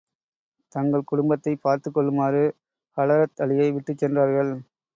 தங்கள் குடும்பத்தைப் பார்த்துக் கொள்ளுமாறு ஹலரத் அலியை விட்டுச் சென்றார்கள்.